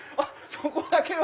そこだけは。